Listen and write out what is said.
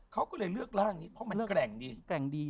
เขาก็เลยเลือกร่างนี้เพราะมันแกร่งดีแกร่งดี